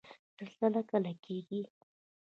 زلزله کله کیږي؟